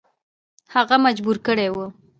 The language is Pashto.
هغه مجبور کړی وو.